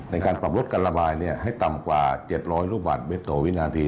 ในการปรับลดการระบายให้ต่ำกว่า๗๐๐ลูกบาทเมตรต่อวินาที